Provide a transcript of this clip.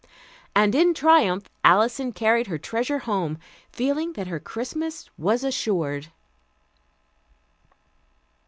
And in triumph Alison carried her treasure home, feeling that her Christmas was assured.